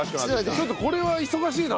ちょっとこれは忙しいな。